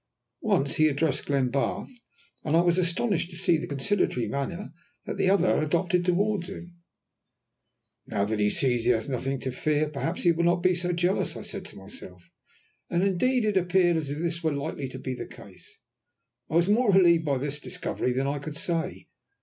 Once he addressed Glenbarth, and I was astonished to see the conciliatory manner that the other adopted towards him. "Now that he sees that he has nothing to fear, perhaps he will not be so jealous," I said to myself, and indeed it appeared as if this were likely to be the case. I was more relieved by this discovery than I could say.